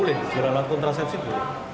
boleh jual alat kontrasepsi boleh